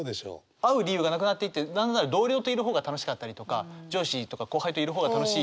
会う理由がなくなっていってなんなら同僚といる方が楽しかったりとか上司とか後輩といる方が楽しい。